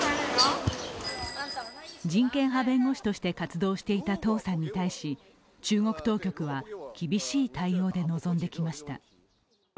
人権派弁護士として活動していた唐さんに対し中国当局は厳しい対応で臨んできました。